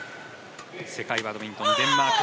世界バドミントンデンマーク。